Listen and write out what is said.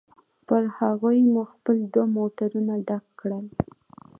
په هغوی مو خپل دوه موټرونه ډک کړل.